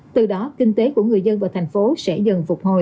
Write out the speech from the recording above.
từ đó kinh tế của người dân và thành phố sẽ dần phục hồi